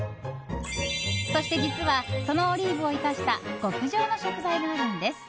そして、実はそのオリーブを生かした極上の食材があるんです。